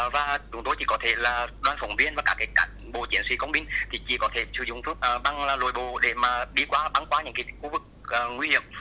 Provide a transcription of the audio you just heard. và chúng tôi chỉ có thể là đoàn phóng viên và các cán bộ chiến sĩ công binh thì chỉ có thể sử dụng thuốc băng lồi bồ để đi bắn qua những khu vực nguy hiểm